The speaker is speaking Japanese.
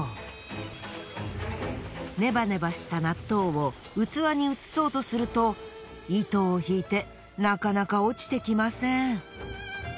ネバネバした納豆を器に移そうとすると糸を引いてなかなか落ちてきません。